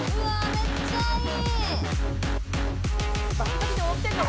めっちゃいい！